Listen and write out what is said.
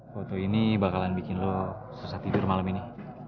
foto ini bakalan bikin lo susah tidur malam ini